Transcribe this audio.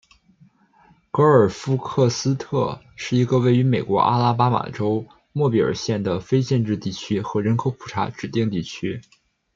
格尔夫克斯特是一个位于美国阿拉巴马州莫比尔县的非建制地区和人口普查指定地区。